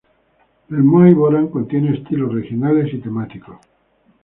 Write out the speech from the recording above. El muay boran contiene estilos regionales y temáticos.